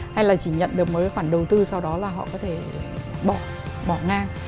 hay là chỉ nhận được một cái khoản đầu tư sau đó là họ có thể bỏ ngang